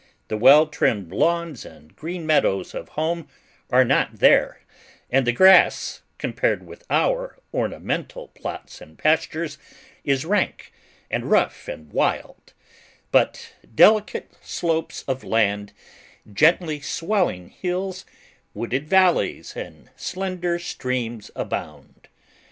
The well trimmed lawns and green meadows of home are not there; and the grass, compared with our ornamental plots and pastures, is rank, and rough, and wild: but delicate slopes of land, gently swelling hills, wooded valleys, and slender streams, abound.